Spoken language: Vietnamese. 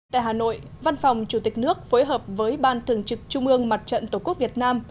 tại hà nội văn phòng chủ tịch nước phối hợp với ban thường trực trung ương mặt trận tổ quốc việt nam